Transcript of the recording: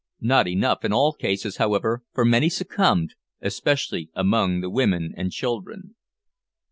Not enough in all cases, however, for many succumbed, especially among the women and children.